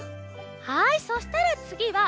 はいそしたらつぎはこのね